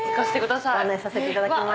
ご案内させていただきます。